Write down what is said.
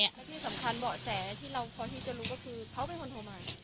และที่สำคัญเบาะแสที่เราพอที่จะรู้ก็คือเขาเป็นคนโทรมา